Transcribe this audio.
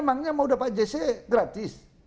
emangnya mau dapat jc gratis